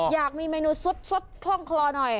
อยากมีเมนูซุดคล่องคลอหน่อย